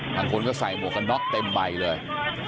บางคนก็ใส่หมวกกันน็อกเต็มใบเลย